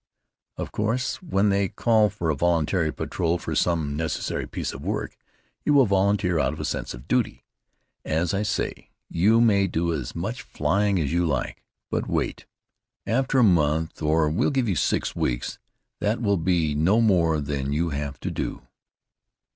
Of course, when they call for a voluntary patrol for some necessary piece of work, you will volunteer out of a sense of duty. As I say, you may do as much flying as you like. But wait. After a month, or we'll give you six weeks, that will be no more than you have to do."